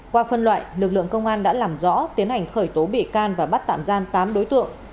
qua phân loại lực lượng công an đã làm rõ tiến hành khởi tố bị can và bắt tạm giam tám đối tượng